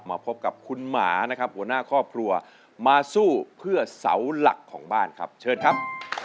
พบกับคุณหมานะครับหัวหน้าครอบครัวมาสู้เพื่อเสาหลักของบ้านครับเชิญครับ